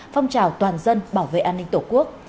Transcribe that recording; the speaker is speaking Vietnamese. phong trào toàn dân bảo vệ an ninh tổ quốc